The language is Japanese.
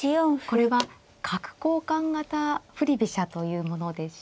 これは角交換型振り飛車というものでしょうか。